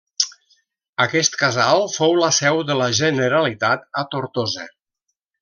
Aquest casal fou la seu de la Generalitat a Tortosa.